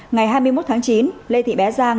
ngày hai mươi một tháng chín lê thị bé giang